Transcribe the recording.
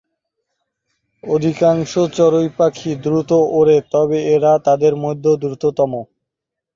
অধিকাংশ চড়ুই পাখি দ্রুত ওড়ে তবে এরা তাদের মধ্যেও দ্রুততম।